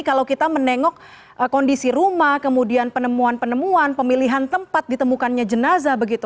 kalau kita menengok kondisi rumah kemudian penemuan penemuan pemilihan tempat ditemukannya jenazah begitu